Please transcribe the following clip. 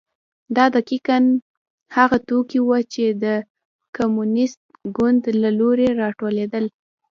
دا دقیقا هغه توکي وو چې د کمونېست ګوند له لوري راټولېدل.